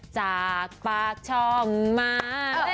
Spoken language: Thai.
จากปากช่องมา